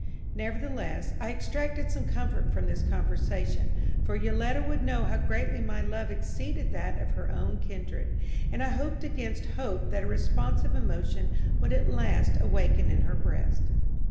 Nevertheless, I extracted some comfort from this conversation; for Yoletta would know how greatly my love exceeded that of her own kindred, and I hoped against hope that a responsive emotion would at last awaken in her breast.